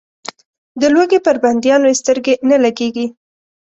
د لوږې پر بندیانو یې سترګې نه لګېږي.